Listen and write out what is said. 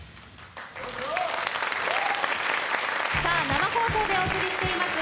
生放送でお送りしています